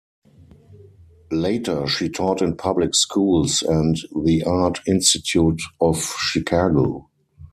Later, she taught in public schools and at the Art Institute of Chicago.